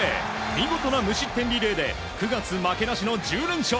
見事な無失点リレーで９月負けなしの１０連勝！